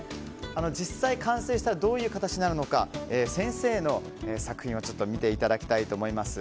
実際、完成したらどういう形になるのか先生の作品を見ていただきたいと思います。